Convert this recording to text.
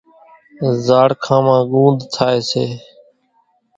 زاڙکان مان ڳونۮ ٿائيَ سي۔